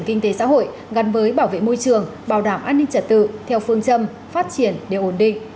kinh tế xã hội gắn với bảo vệ môi trường bảo đảm an ninh trật tự theo phương châm phát triển để ổn định